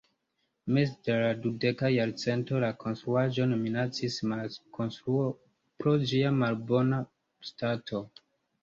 Meze de la dudeka jarcento la konstruaĵon minacis malkonstruo pro ĝia malbona stato.